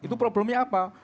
itu problemnya apa